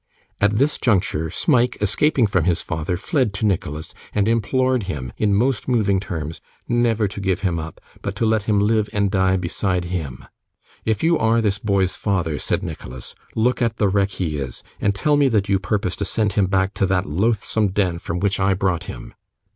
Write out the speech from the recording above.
At this juncture, Smike escaping from his father fled to Nicholas, and implored him, in most moving terms, never to give him up, but to let him live and die beside him. 'If you are this boy's father,' said Nicholas, 'look at the wreck he is, and tell me that you purpose to send him back to that loathsome den from which I brought him.